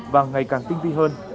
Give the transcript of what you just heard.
và ngày càng tinh vi hơn